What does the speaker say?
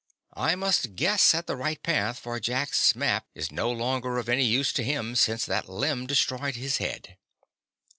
I must guess at the right path, for Jack's map is no longer of any use to him since that limb destroyed his head."